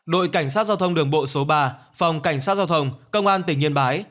đội cảnh sát giao thông đường bộ số ba phòng cảnh sát giao thông công an tỉnh yên bái